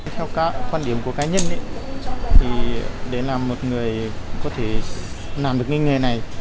theo quan điểm của cá nhân để làm một người có thể làm được nghề này